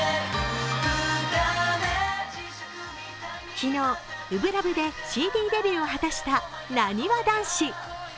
昨日、「初心ＬＯＶＥ」でＣＤデビューを果たしたなにわ男子。